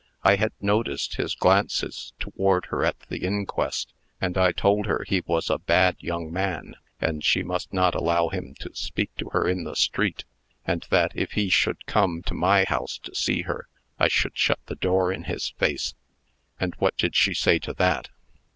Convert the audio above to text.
"I had noticed his glances toward her at the inquest, and I told her he was a bad young man, and she must not allow him to speak to her in the street, and that, if he should come to my house to see her, I should shut the door in his face." "And what did she say to that?"